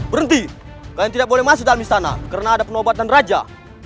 berhenti kalian tidak boleh masuk dalam istana karena ada penobatan raja